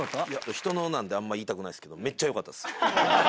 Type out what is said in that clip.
ひとのなんであんま言いたくないですけどめっちゃよかったです。